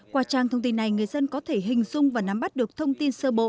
qua trang thông tin này người dân có thể hình dung và nắm bắt được thông tin sơ bộ